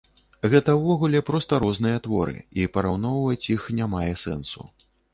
Гэта ўвогуле проста розныя творы, і параўноўваць іх не мае сэнсу.